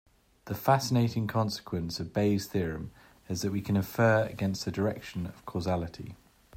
The fascinating consequence of Bayes' theorem is that we can infer against the direction of causality.